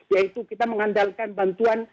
yaitu kita mengandalkan bantuan